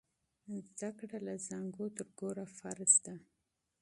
د علم زده کړه له زانګو تر ګوره فرض دی.